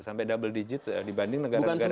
sampai double digit dibanding negara negara